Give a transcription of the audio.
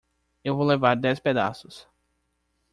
Eu vou levar dez pedaços.